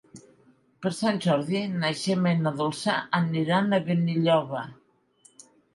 Per Sant Jordi na Gemma i na Dolça aniran a Benilloba.